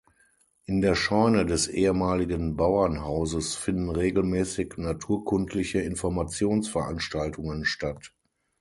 In der Scheune des ehemaligen Bauernhauses finden regelmäßig naturkundliche Informationsveranstaltungen statt.